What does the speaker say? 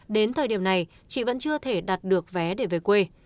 đến thời điểm này chị vẫn chưa thể đặt được vé để về quê